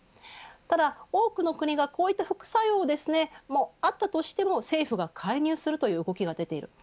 ただ、多くの国がこういった副作用をあったとしても、政府が介入するという動きが出ています。